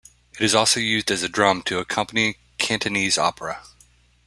It is also used as a drum to accompany cantonese opera.